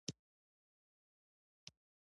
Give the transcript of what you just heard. د ژوند کیفیت د تعلیم او زده کړې سره تړاو لري.